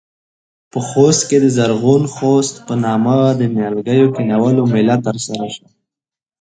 په خوست کې د زرغون خوست په نامه د نيالګيو کښېنولو مېلمه ترسره شوه.